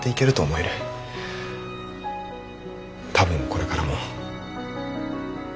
多分これからも。